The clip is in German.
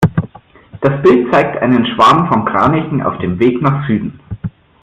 Das Bild zeigt einen Schwarm von Kranichen auf dem Weg nach Süden.